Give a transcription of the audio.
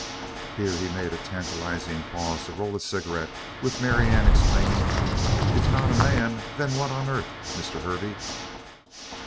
Here he made a tantalizing pause to roll a cigarette with Marianne exclaiming: "If not a man, then what on earth, Mr. Hervey?"